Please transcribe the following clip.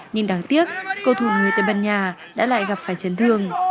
nhưng đáng tiếc cầu thủ người tây ban nha đã lại gặp phải chấn thương